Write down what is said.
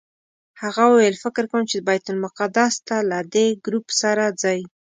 هغه وویل فکر کوم چې بیت المقدس ته له دې ګروپ سره ځئ.